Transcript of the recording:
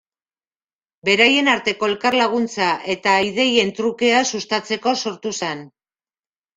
Beraien arteko elkar laguntza eta ideien trukea sustatzeko sortu zen.